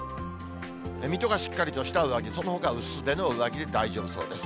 水戸がしっかりとした上着、そのほか薄手の上着で大丈夫そうです。